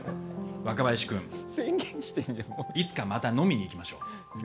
若林君いつかまた飲みに行きましょう。